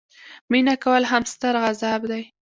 مینه کول هم ستر عذاب دي.